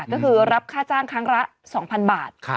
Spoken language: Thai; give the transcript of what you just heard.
ก็คือรับค่าจ้างครั้งละ๒๐๐๐บาท